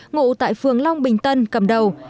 ngụ tại phường long bình tân cầm đầu